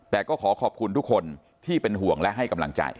แต่ก็ขอขอบคุณทุกคนที่เป็นห่วงและให้กำลังใจ